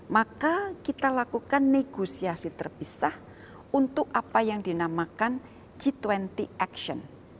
maka kita lakukan negosiasi terpisah untuk apa yang dinamakan g dua puluh action